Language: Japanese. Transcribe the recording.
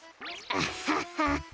アハハハ！